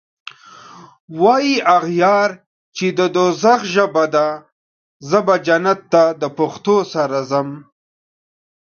واي اغیار چی د دوږخ ژبه ده زه به جنت ته دپښتو سره ځم